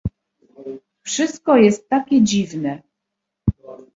"Wszystko jest takie dziwne."